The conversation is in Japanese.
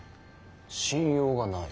信用がない？